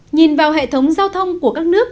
nhìn vào hệ thống giao thông của các nước